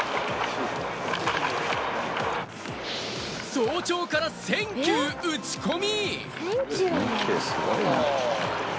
早朝から１０００球、打ち込み。